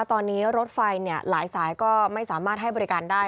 ตอนนี้รถไฟหลายสายก็ไม่สามารถให้บริการได้